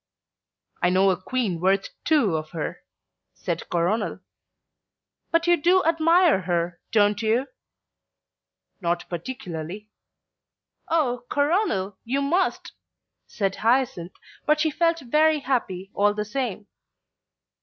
"I know a Queen worth two of her," said Coronel. "But you do admire her, don't you?" "Not particularly." "Oh, Coronel, you must," said Hyacinth, but she felt very happy all the same.